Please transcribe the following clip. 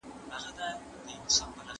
¬ چي د اباسين اوبه غواړي، تږی نه دئ.